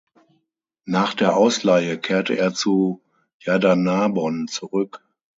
Nach der Ausleihe kehrte er zu Yadanarbon zurück.